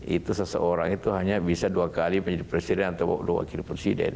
itu seseorang itu hanya bisa dua kali menjadi presiden atau wakil presiden